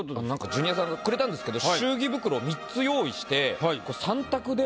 ジュニアさんがくれたんですけど祝儀袋３つ用意して３択で。